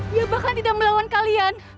dia bahkan tidak melawan kalian